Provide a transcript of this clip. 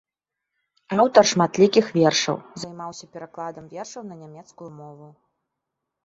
Аўтар шматлікіх вершаў, займаўся перакладамі вершаў на нямецкую мову.